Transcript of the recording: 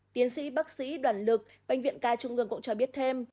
tiến sĩ bác sĩ đoàn lực bệnh viện ca trung ương cũng cho biết thêm